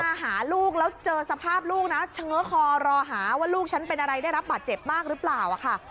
มาหาลูกแล้วเจอสภาพลูกนะเฉง้อคอรอหาว่าลูกฉันเป็นอะไรได้รับบาดเจ็บมากหรือเปล่าค่ะ